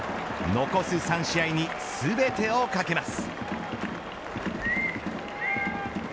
残す３試合にすべてを懸けます。